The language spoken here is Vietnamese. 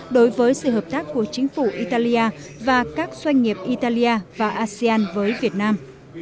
đối với sự hợp tác của chính phủ italia và các doanh nghiệp italia và asean với việt nam